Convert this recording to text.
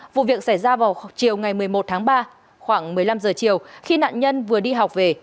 vụ việc xảy ra vào chiều ngày một mươi một tháng ba khoảng một mươi năm giờ chiều khi nạn nhân vừa đi học về